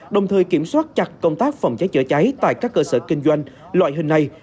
đồng thời kiểm soát chặt công tác phòng cháy chữa cháy tại các cơ sở kinh doanh loại hình này